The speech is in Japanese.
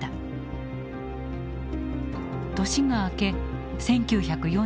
年が明け１９４２年。